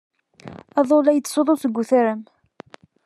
Aḍu la d-yettsuḍu seg utaram.